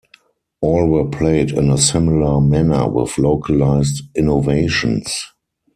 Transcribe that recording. All were played in a similar manner with localized innovations.